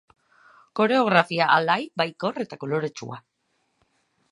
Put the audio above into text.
Koreografia alai, baikor eta koloretsua.